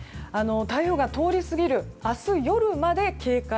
台風が通り過ぎる明日夜まで警戒。